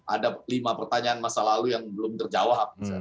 ada lima pertanyaan masa lalu yang belum terjawab